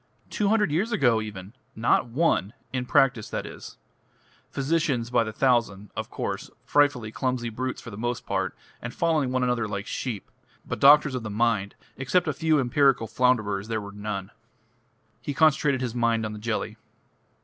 Two hundred years ago even not one! In practice, that is. Physicians by the thousand, of course frightfully clumsy brutes for the most part, and following one another like sheep but doctors of the mind, except a few empirical flounderers there were none." He concentrated his mind on the jelly.